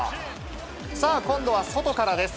さあ、今度は外からです。